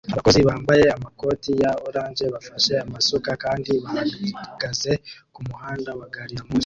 Abakozi bambaye amakoti ya orange bafashe amasuka kandi bahagaze kumuhanda wa gari ya moshi